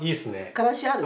からしある？